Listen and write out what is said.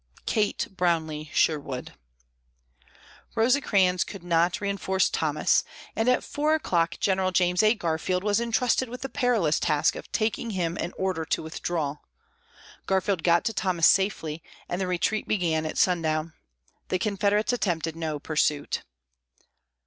_" KATE BROWNLEE SHERWOOD. Rosecrans could not reinforce Thomas, and at four o'clock General James A. Garfield was intrusted with the perilous task of taking him an order to withdraw. Garfield got to Thomas safely and the retreat began at sundown. The Confederates attempted no pursuit.